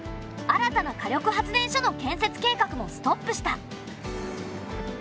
新たな火力発電所の建設計画もストップした。